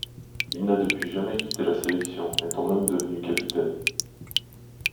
Il n'a depuis jamais quitté la sélection, étant même devenu capitaine.